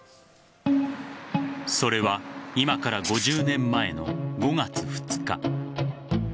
それは今から５０年前の５月２日。